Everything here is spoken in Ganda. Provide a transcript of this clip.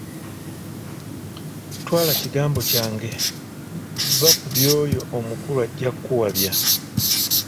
Twala kigambo kyange vva ku by'oyo omukulu ajja kuwabya.